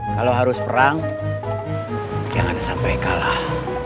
kalau harus perang jangan sampai kalah